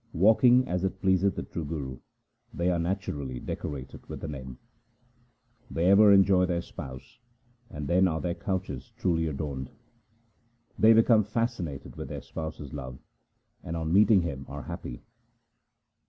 Walking as it pleaseth the true Guru, they are naturally decorated with the Name. They ever enjoy their Spouse, and then are their couches truly adorned. They become fascinated with their Spouse's love, and on meeting Him are happy.